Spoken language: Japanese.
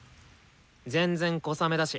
全然小雨だし。